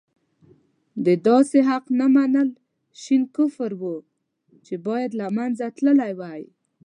د داسې حق نه منل شين کفر وو چې باید له منځه تللی وای.